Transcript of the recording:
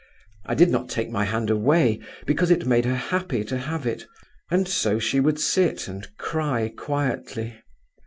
I did not take my hand away because it made her happy to have it, and so she would sit and cry quietly.